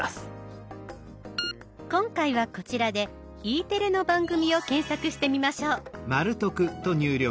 今回はこちらでＥテレの番組を検索してみましょう。